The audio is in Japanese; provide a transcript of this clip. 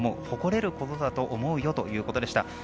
誇れることだと思うよということでした。